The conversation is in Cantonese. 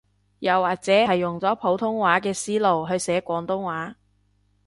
又或者係用咗普通話嘅思路去寫廣東話